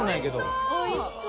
えっおいしそう。